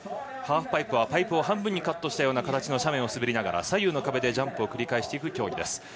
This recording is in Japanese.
ハーフパイプはパイプを半分にカットしたような形の斜面を滑りながら、左右の壁でジャンプを繰り返していく競技。